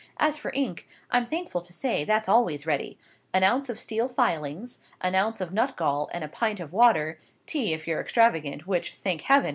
As for ink, I'm thankful to say, that's always ready; an ounce of steel filings, an ounce of nut gall, and a pint of water (tea, if you're extravagant, which, thank Heaven!